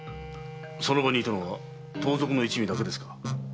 その場にいたのは盗賊の一味だけですか？